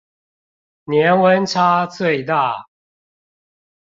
年溫差最大